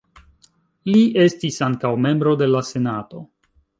Li estis ankaŭ membro de la senato.